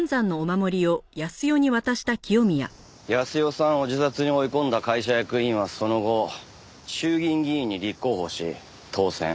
泰代さんを自殺に追い込んだ会社役員はその後衆議院議員に立候補し当選。